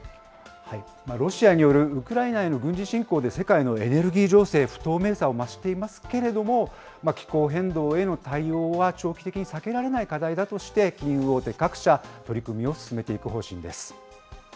ロシアによるウクライナへの軍事侵攻で世界のエネルギー情勢、不透明さを増していますけれども、気候変動への対応は長期的に避けられない課題だとして、金融大手各社、取り組みを進めていく方針です。